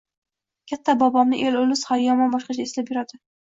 katta bobomni el-ulus hali-hamon boshqacha eslab yuradi.